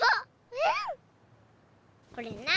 うん？